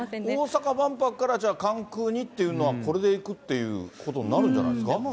大阪万博から、じゃあ、関空にっていうのはだから、これで行くっていうことになるんじゃないですか。